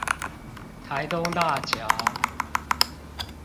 台東大橋